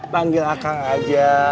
panggil akang aja